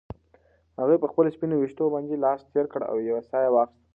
هغې په خپلو سپینو ویښتو باندې لاس تېر کړ او یوه ساه یې واخیسته.